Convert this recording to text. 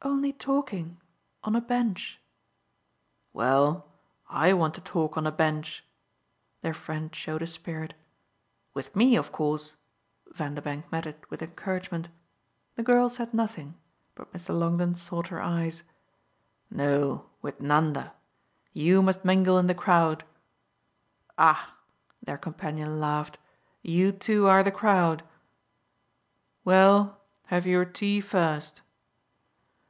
"Only talking on a bench." "Well, I want to talk on a bench!" Their friend showed a spirit. "With me, of course?" Vanderbank met it with encouragement. The girl said nothing, but Mr. Longdon sought her eyes. "No with Nanda. You must mingle in the crowd." "Ah," the their companion laughed, "you two are the crowd!" "Well have your tea first."